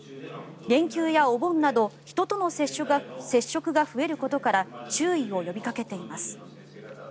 連休やお盆など人との接触が増えることから注意を呼びかけています。